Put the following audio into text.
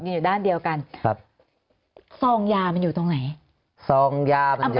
อยู่ด้านเดียวกันครับซองยามันอยู่ตรงไหนซองยามันเยอะ